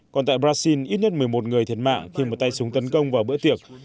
còn tại brazil ít nhất một mươi một người thiệt mạng khi một tay súng tấn công vào bữa tiệc